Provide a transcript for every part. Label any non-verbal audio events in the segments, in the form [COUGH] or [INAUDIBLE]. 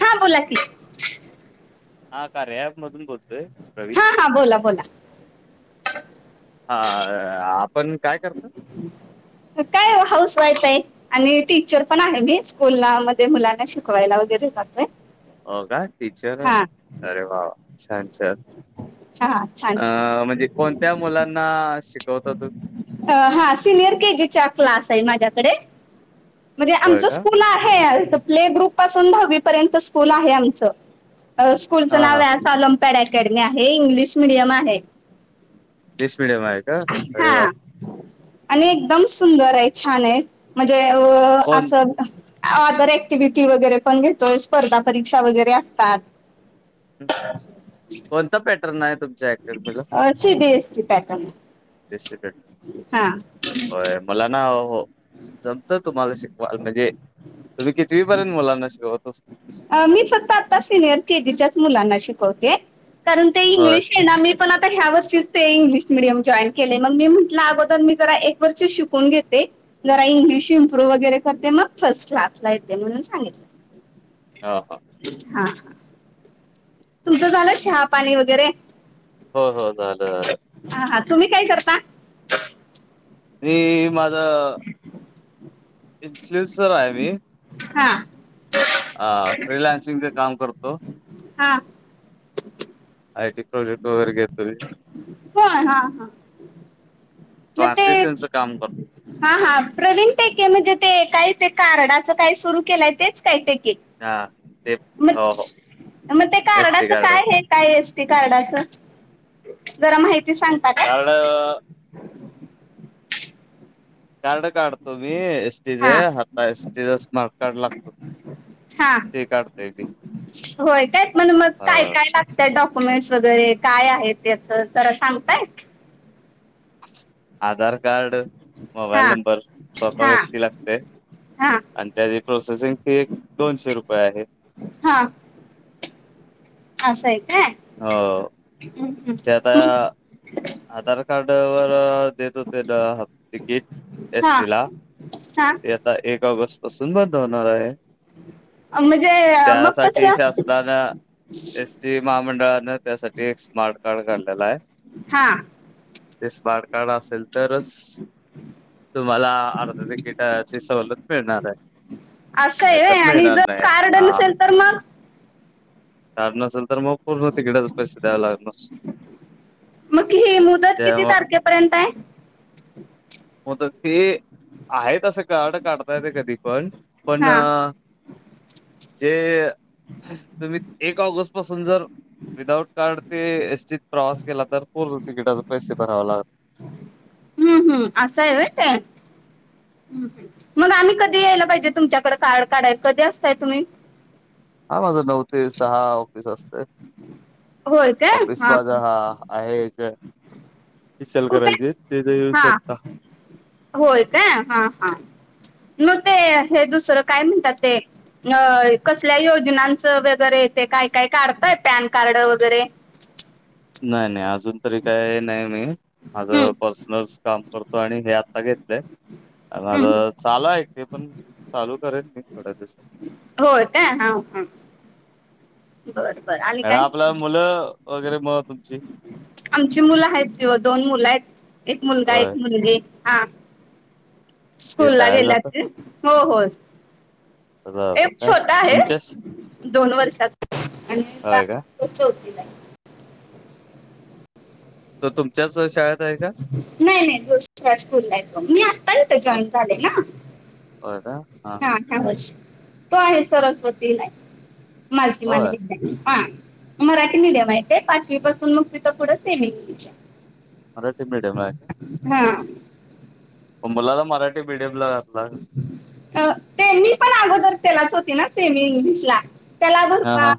हा बोला की. हा कार्या अँप मधून बोलतोय. प्रवीण. हा, हा बोला, बोला. हा आपण काय करता? काय ओ हाऊस वाईफ आहे. आणि टीचर पण आहे मी. स्कूला मध्ये मुलांना शिकवायला वगैरे जातोय. हो का टीचर आहे हा अरे वा छान, छान. हा छान अं छान -म्हणजे कोणत्या मुलांना शिकवता तुम्ही? हा सिनियर केजीचा क्लास आहे माझ्याकडे. म्हणजे होय आमचं का? स्कूल आहे. प्ले ग्रुप पासून दहावीपर्यंत स्कूल आहे आमचं. स्कूलचं हा नाव हा आहे ऑलिम्पॅड अकॅडमी आहे इंग्लिश मिडियम आहे. इंग्लिश मिडीयम आहे. का? हा अरे वा! आणि एकदम सुंदर आहे, छान आहे. म्हणजे कोण अ-असं ऑदर ऍक्टिव्हिटी वगैरे पण घेतोय‌. स्पर्धा परीक्षा वगैरे असतात. कोणता पॅटर्न आहे तुमच्या? अकॅडमीला? अ C B S C pattern. [INAUDIBLE] हा. व्हय मला ना अहो जमत तुम्हाला शिकवाल म्हणजे तुम्ही कितवीपर्यंत मुलांना शिकवतो? मी फक्त आता सिनियर केजीच्याच मुलांना शिकवते. कारण ते होय. इंग्लिश ये ना मी पण आता ह्या वर्षीच ते इंग्लिश मिडियम जॉईन केले, मग मी म्हटलं अगोदर मी जरा एक वर्षी शिकून घेते. जरा इंग्लिश इम्प्रुव्ह वगैरे करते मग फर्ट क्लासला येते म्हणून सांगितलं. हा हा. हा. तुमचं झालं चहा पाणी वगैरे? हो हो झालं झालं. हा हा तुम्ही काय करता? मी माझं इन्फ्लुएन्सर आहे मी. हा. अ फ्रिलान्सिंगच काम करतो. हा. आय टी प्रोजेक्ट वैगरे घेतो. मी. होय हा हा. मग ते ट्रान्समिशनचं काम करतो. हा हा प्रवीण टेके म्हणजे ते काही ते कार्डाचं काही सुरू केलंय तेच काय टेके? हा ते मग हो हो मग ते एस टी कार्डाच कार्ड काय आहे? काय असतय कार्डच? जरा माहिती सांगत कार्ड [INAUDIBLE] कार्ड काढतो मी एसटीच हा आता एसटीच स्मार्ट कार्ड लागतो. हा ते काढतोय मी. होय काय मग अ काय काय लागत डॉक्युमेंट्स वगैरे काय आहेत त्याच जरा सांगताय? आधार कार्ड, हा मोबाईल नंबर, स्वतः हा व्यक्ती लागते हा आणि त्याची प्रोसेसिंग फी एक दोनशे रुपये आहे. हा. अस आहे काय? हो. हम् हम् ते आता मग. आधार कार्ड वर देत होते ना हाफ तिकिट एस हा टिला हा त्या आता एक ऑगस्ट पासून बंद होणार आहे. म्हणजे मग त्यासाठी कसं शासनानं. एस टी महामंडळानं त्यासाठी एक स्मार्ट कार्ड काढलेलं आहे. हा. ते स्मार्ट कार्ड असेल. तरच तुम्हाला अर्ध तिकिटाची सवलत मिळणार आहे. असं आहे नाहीतर होय आणि मिळणार जर नाही. कार्ड हा नसेल तर मग? कार्ड नसेल तर मग पूर्ण तिकिटाच पैसे द्याव लागणार. मग हि मुदत किती त्यामुळे तारखेपर्यंत आहे? मुदत ती, आहे तसं कार्ड काढता येतं कधी पण पण, हा जे, तुम्ही एक ऑगस्ट पासून जर विदाउट कार्ड, ते एसटीत प्रवास केला तर, पूर्ण तिकीटाचे पैसे भराव लागणार. हम्म हम्म असं आहे होय ते? मग आम्ही कधी यायला पाहिजे तुमच्याकडे कार्ड काढय कधी असताय तुम्ही? हा माझा ते सहा ऑफिस असतयं. होय काय ऑफिस हा माझं आ आहे इथं. कुठे इचलकरंजीत तिथं येऊ हा शकता. होय का? हा हा मग ते हे दुसरं काय म्हणतात ते? अ कसल्या योजनांचं वगैरे ते काय काय काढताय पॅन कार्ड वगैरे. नाही नाही अजून तरी काही नाही मी. हम्म माझं पर्सनल काम- करतो आणि हे आत्ता घेतलय. माझ हम्म चाल आहे ते पण- चालू करेन मी थोड्या दिवसात. होय काय? हा. हां. बर बर आणि मॅडम काय? आपला मुलं वगैरे म तुमची? आमची मुलं आहेत की हो. दोन मुलं आहेत. एक मुलगा एक होय मुलगी. हां. ते स्कूलला शाळेला गेल्यात जातात ते? हो हो. बरोबर एक काय छोटा आहे तुमच्याच दोन वर्षाचा. आणि लहा होय का - तो चौथीलाय. तो तुमच्याच शाळेत- आहे का नाही नाही. [UNINTELLIGIBLE] स्कूलला आहे तो. मी आत्ता इथे सर जॉईन झाले ना? होय का? हां. हां. अठरा वर्ष. तो आहे सरस्वतीला ए मालती माने होय विद्यालय. हां. मराठी मीडियम आहे ते. पाचवी पासून मग तिथं पुढं सेमी इंग्लिश आहे. मराठी मीडियम आहे का? हां. मुलाला मराठी मिडीयमला घातला का? अ ते मी पण अगोदर त्यालाच होती ना? सेमी इंग्लिश ला. त्याला अजून हा हा पाहा.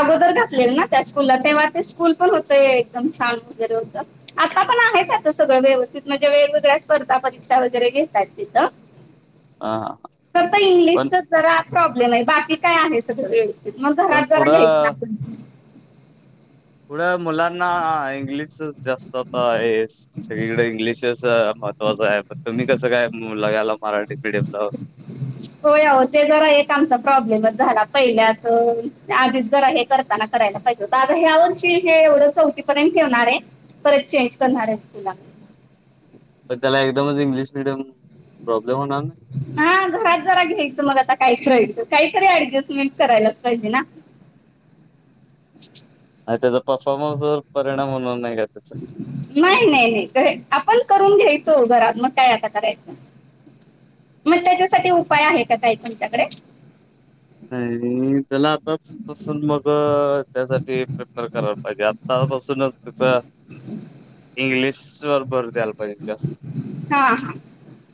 अगोदर घातलेल ना त्या स्कूलला? तेव्हा ते स्कूल पण होतय एकदम छान वगैरे होतं. आत्ता पण आहे आता सगळं व्यवस्थित. म्हणजे वेगवेगळ्या स्पर्धा परीक्षा वगैरे घेतात तिथं. आं. फक्त इंग्लिशचच जरा प्रॉब्लेम आहे. बाकी काय आहे सगळं व्यवस्थित. मग पण घरात जरा घ्यायच पुढं आपण. पुढं मुलांना इंग्लिशचच जास्त तर आहेच. सगळीकडे इंग्लिशच महत्वाचं आहे. तुम्ही कसं काय मुलग्याला मराठी मीडियमला- होय. आहो ते जरा एक आमचा प्रॉब्लेमच झाला. पहिल्याच आधीच जरा एक- करताना करायला पाहिजे होत. आता ह्या वर्षी हे एवढं चौथीपर्यंत ठेवणार आहे. परत चेंज करणारच [UNINTELLIGIBLE] पण त्याला एकदमच इंग्लिश मिडियम प्रॉब्लेम होणार नाही? हां. घरात जरा घ्यायचं मग आता काय करायचं? काहीतरी ऍडजस्टमेंट करायलाच पाहिजे ना. आणि त्याचा परफॉर्मन्स वर परिणाम होणार नाही का त्याचा? नाही नाही नाही. आपण करून घ्यायच ओ घरात मग काय आता करायचं? मग त्याच्यासाठी उपाय आहे का काही तुमच्याकडे? नाही त्याला आताच पासून मग त्यासाठी प्रेफर कराला पाहिजे. आ- -त्ता पासूनच त्याचं- इंग्लिश वर भर द्यायला - -ह्यजे जास्त. हा हा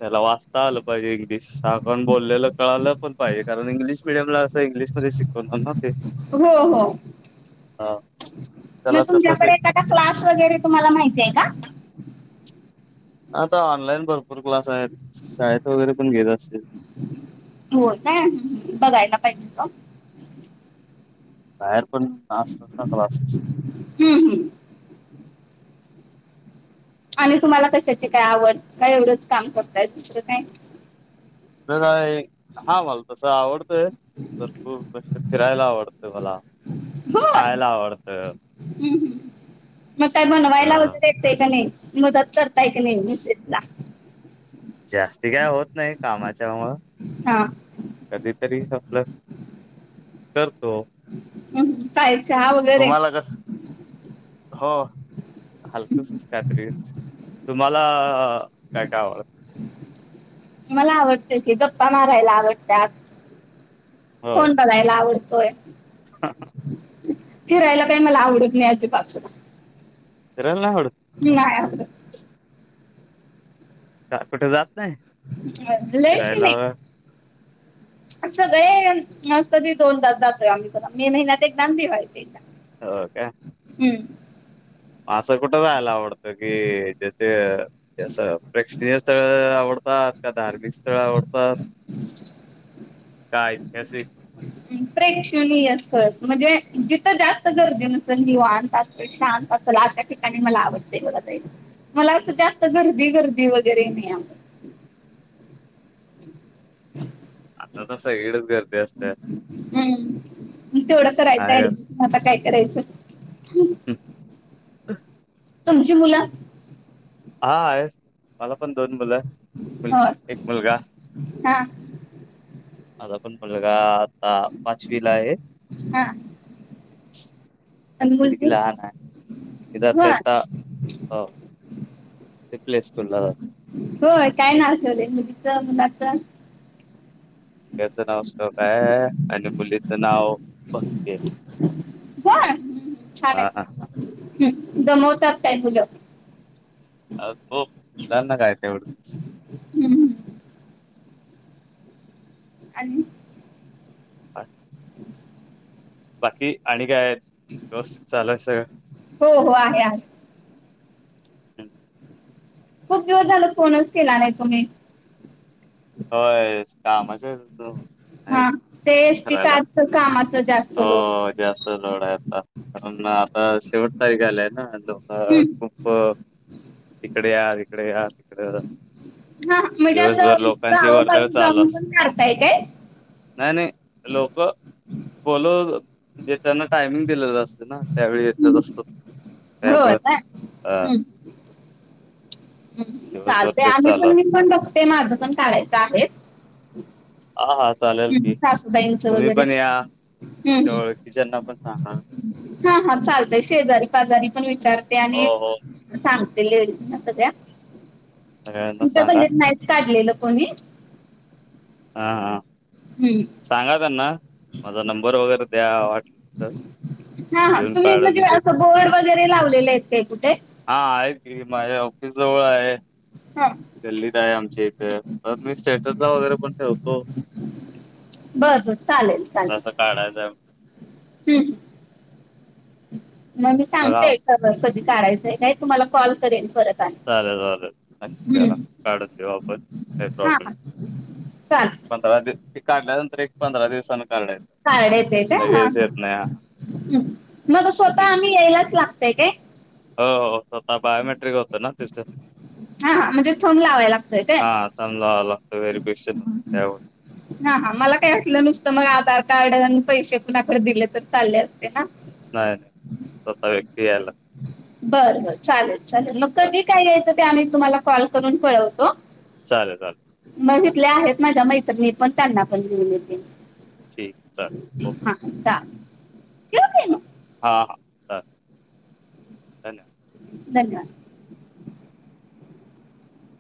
त्याला वाचता आलं पाहिजे इंग्लिश. त्याला आपण बोललेलं कळालं पण पाहिजे. कारण इंग्लिश मिडियम ला असं इंग्लिशमध्ये शिकवणार न ते. हो. हो. हा. मग त्याला तसं ते- तुमच्याकडे एखादा क्लास वगैरे तुम्हाला माहितीये का? आता ऑनलाईन भरपूर क्लास आहेत. शाळेत वगैरे पण घेत असतील. होय काय बघायला पाहिजे मग बाहेर पण असतात ना क्लासेस हम् हम् आणि तुम्हाला कशाची काय आवड का एवढच काम करताय दुसर काय का काय [UNINTELLIGIBLE] हा मला तस आवडतय भरपूर फिरायला आवडत मला बर खायाला आवडत हम्म, हम्म. मग काय अ बनवायला वगैर येतय का नाही मदत करताय का नाही मिसेस ला जास्ती काय होत नाही कामाच्यामुळ हा कधीतरी आपल करतो हम्म. काय चहा वगैरे तुम्हाला कस हो हलकसच काही तरी तुम्हाला काय काय आवडत मला आवडते की गप्पा मारायला आवडतात फोन बघायला आवडतोय हह फिरायला काही मला आवडत नाही आधी पासून फिरायला नाही आवडत मी आहे अस का कुठं जात नाही लयशी फिरायला नाही सगळे काय कधी दोनदा च जातोय आम्ही मे महिन्यात एकदा दिवाळी त एकदा हो का हम्म अस कुठ जायायला आवडत की जे ते जसं प्रेक्षणीय स्थळ आवडत का धार्मिक स्थळ आवडतात का ऐतिहासिक [INAUDIBLE] प्रेक्षणीय असल म्हणजे जिथ जास्त गर्दी नसेल निवांत असेल शांत असेल अशा ठिकाणी मला आवडते बघ मला अस जास्त गर्दी गर्दी वगैरे नाही आ ह [INAUDIBLE] आता सगळीकडे च गर्दी असते हम्म तेवढ असं करायच नाही ऍड गर्दी आता काय करायच तुमची मुल हा आहे मला पण दोन मुल हो मुलगी एक मुलगा हा माझा पण मुलगा आता पाचवीला आहे हा आणि मुलगी लहान हो आहे [INAUDIBLE] [INAUDIBLE] रिप्लेस करू लागलो होय काय नाव ठेवले मुलीच मुलाच याच नाव श्लोक आहे आणि मुलीच नाव भक्ती आहे हा हा हां हम दमवतात काय मुलं अ खूप जा ना काय तेवढच [UNINTELLIGIBLE] हम्म. आणि अ [UNINTELLIGIBLE] बाकी आणि काय आहेत व्यवस्थित चालय सगळं. हो हो आहे आहे. खूप दिवस झाल फोनच केला नाही तुम्ही. होय कामाच. हा ते एसटी काच कामाच जास्त. लोड हो जास्त लोड आहे आता कारण आता शेवट तारीख आलय ना लोक. अ हम्म. खूप इिकडे या तिकडे या तिकडे. हा म्हणजे दिवसभर असं लोकांची वर्दळ गावोगावी जाऊन चालस. पण काढताय काय नाही नाही लोक बोल जे त्यांना टायमिंग दिलेलं असत ना. त्यावेळी येतच हम्म. असतो हो त्यामुळं काय अ दिवसभर चालतेय तेच आम्ही चालू पण अस म पण बघते माझं पण चालायचं आहे. हा हा चालेल की सासूबाईंचं तुम्ही वगैरे पण या. हं, तुमच्या हं. ओळखीच्याना पण सांगा. हा हा चालतय शेजारी पाजारी पण विचारते हो आणि हो सांगते सगळ्या सगळ्यांना आमच्या सांगा गलीत नाहीच काढलेलं कोणी. हा हा. हम्म. सांगा त्यांना माझा नंबर वगैरे द्या वाट तर. हा हा येऊन तुम्ही काढून म्हणजे देत असं बोर्ड वगैरे लावलेले आहेत ते कुठे. हा आहेत गिरी माझ ऑफिस जवळ आहे. हा. दिल्लीत आहे आमच्या इथं तर मी स्टेटसला वगैरे पण ठेवतो. बर बर चालेल तसं चालेलल काढायचं आहे ह. मग मी बघा सांगतेयकार कधी कारायचंय का तुम्हाला कॉल करेन परत. आणि चालेल चालेल नक्की करा हम्म काढून घेऊ आपण काही प्रॉब्लेम. ात. पंधरा दिव ते काढल्यानंतर एक पंधरा दिवसान. काड येतयेत हा हा. हा ह मग स्वतः ठीक आम्ही यायलाच लागतय काय. हो स्वतः बायोमेट्रिक होतं ना तिचं हा हा म्हणजे थंब लावायला लागतोय काय हा. स आला वहेररीफिकेशन. ह हा मला काही असटलं नुसतं मग आधार कार्ड आणि पैसे कोणकडे दिले तर चालले असते ना. नाही नाही स्वतः व्यक्ती यायलागत. बरं बर चालेल चालेल मग लागतं कधी काय यायचं ते आम्ही तुम्हाला कॉल करून कळवतो. चालेल चालेल. मघितल्या आहेत माझ्या मैत्रणी पण त्यांना पण मितील. ठीक आहे चा. हा जा केव कायन. हां. हां धन्यवाद धन्यवाद!